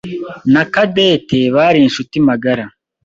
Na Cadette bari inshuti magara.